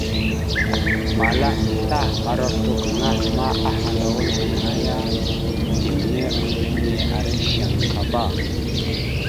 Mala asla ara oslo gaŋa ma ahala a wal gaŋa ya ɗimne oslo hine ara shankaba.